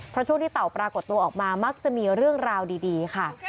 เพราะช่วงที่เต่าปรากฏตัวออกมามักจะมีเรื่องราวดีค่ะ